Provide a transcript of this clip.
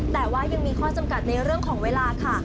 แต่ว่ายังมีข้อจำกัดในเรื่องของเวลาค่ะ